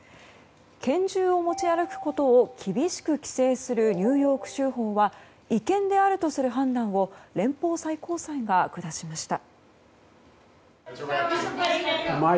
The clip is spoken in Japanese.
拳銃を持ち歩くことを厳しく規制するニューヨーク州法は違憲であるとする判断を連邦最高裁が下しました。